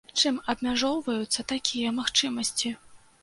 Чым абмяжоўваюцца такія магчымасці?